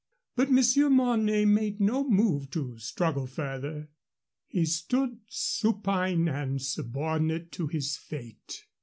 But Monsieur Mornay made no move to struggle further. He stood supine and subordinate to his fate.